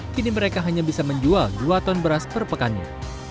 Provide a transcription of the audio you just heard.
kini mereka hanya bisa menjual dua ton beras per pekannya